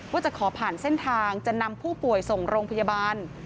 ว่าจะขอผ่านเส้นทางจะนำผู้ป่วยส่งโรงพยาบาล